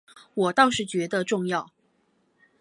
我倒是觉得重要